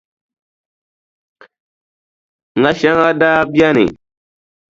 Ŋa shɛŋa daa beni,